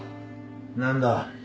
何だ？